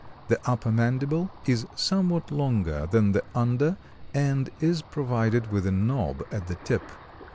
The upper mandible is somewhat longer than the under and is provided with a knob at the tip.